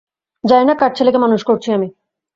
জানি না কার ছেলেকে মানুষ করছি আমি!